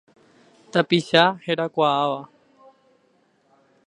Tapicha herakuãva.